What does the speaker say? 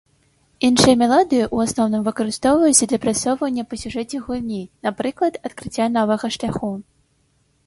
Іншыя мелодыі ў асноўным выкарыстоўваюцца для прасоўвання па сюжэце гульні, напрыклад, адкрыцця новага шляху.